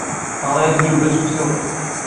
Teɣra-as i Yuba s usawal.